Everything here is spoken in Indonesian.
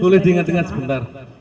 boleh diingat ingat sebentar